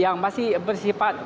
yang masih bersifat